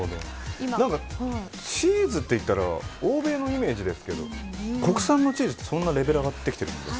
チーズっていったら欧米のイメージですけど国産のチーズって、そんなレベル上がってきてるんですか。